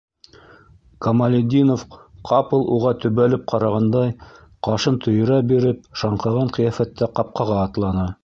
Камалетдинов, ҡапыл уға төбәлеп ҡарағандай, ҡашын төйөрә биреп, шаңҡыған ҡиәфәттә ҡапҡаға атланы.